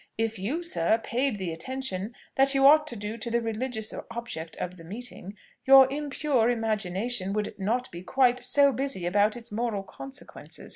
If you, sir, paid the attention that you ought to do to the religious object of the meeting, your impure imagination would not be quite so busy about its moral consequences.